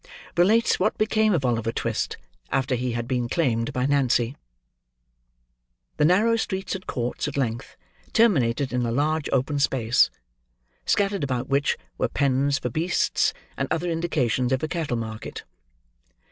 RELATES WHAT BECAME OF OLIVER TWIST, AFTER HE HAD BEEN CLAIMED BY NANCY The narrow streets and courts, at length, terminated in a large open space; scattered about which, were pens for beasts, and other indications of a cattle market.